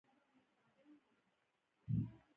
هر چا خپل حد وپېژاند.